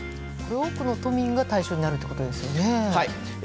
多くの都民が対象になるということですよね？